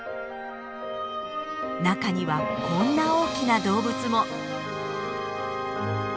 中にはこんな大きな動物も。